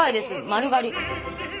丸刈り。